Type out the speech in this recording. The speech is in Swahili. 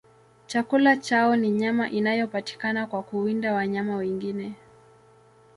Chakula chao ni nyama inayopatikana kwa kuwinda wanyama wengine.